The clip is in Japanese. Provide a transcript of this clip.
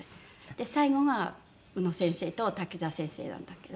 で最後が宇野先生と滝沢先生なんだけど。